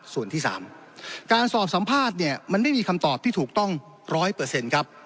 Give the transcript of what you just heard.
ส่วนที่สามการสอบสัมภาษณ์เนี่ยมันไม่มีคำตอบที่ถูกต้องร้อยเปอร์เซ็นต์ครับ